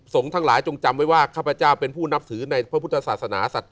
ทั้งหลายจงจำไว้ว่าข้าพเจ้าเป็นผู้นับถือในพระพุทธศาสนา